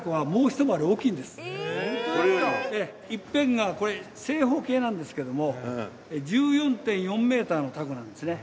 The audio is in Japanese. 一辺がこれ正方形なんですけども１４．４メーターの凧なんですね